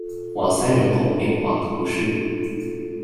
瓦塞人口变化图示